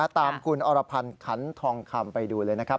ตามคุณอรพันธ์ขันทองคำไปดูเลยนะครับ